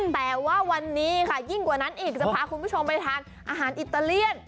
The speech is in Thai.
แต่ว่าวันนี้ค่ะยิ่งกว่านั้นอีกจะพาคุณผู้ชมไปทานอาหารอิตาเลียน